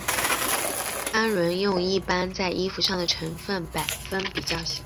氨纶用在一般衣服上的成分百分比较小。